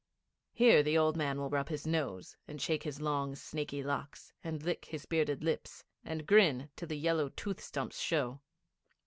Here the old man will rub his nose, and shake his long snaky locks, and lick his bearded lips, and grin till the yellow tooth stumps show.